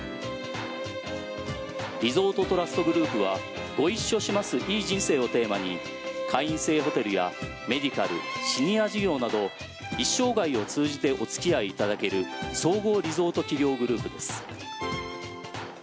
リゾートトラストグループは「ご一緒します、いい人生」をテーマに会員制ホテルやメディカル、シニア事業など一生涯を通じてお付き合いいただける総合リゾート企業グループです。